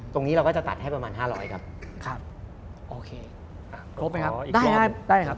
ตรงนี้เราก็จะตัดให้ประมาณ๕๐๐ครับโอเคครบไหมครับได้ครับ